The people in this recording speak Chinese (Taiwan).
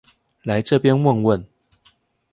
來這邊問問